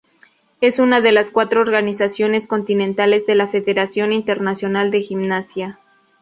Es una de las cuatro organizaciones continentales de la Federación Internacional de Gimnasia.